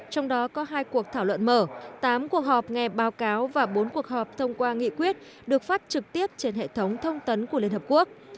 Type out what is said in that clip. trong đó có hai cuộc thảo luận mở tám cuộc họp nghe báo cáo và bốn cuộc họp thông qua nghị quyết được phát trực tiếp trên hệ thống thông tấn của liên hợp quốc